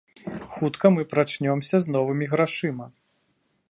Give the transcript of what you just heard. Хутка мы прачнёмся з новымі грашыма.